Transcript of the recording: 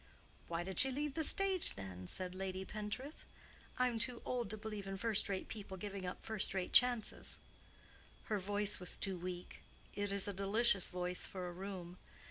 "Why did she leave the stage, then?" said Lady Pentreath. "I'm too old to believe in first rate people giving up first rate chances." "Her voice was too weak. It is a delicious voice for a room.